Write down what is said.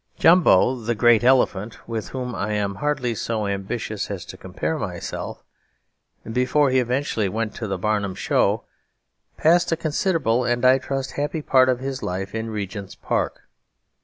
Jumbo the great elephant (with whom I am hardly so ambitious as to compare myself), before he eventually went to the Barnum show, passed a considerable and I trust happy part of his life in Regent's Park.